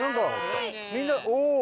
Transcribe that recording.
みんなおおー！